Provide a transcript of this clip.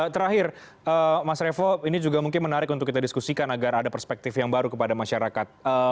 terakhir mas revo ini juga mungkin menarik untuk kita diskusikan agar ada perspektif yang baru kepada masyarakat